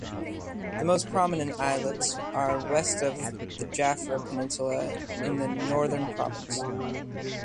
The most prominent islets are west of the Jaffna Peninsula in the Northern Province.